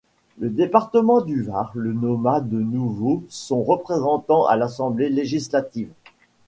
Le département du Var le nomma de nouveau son représentant à l'Assemblée législative.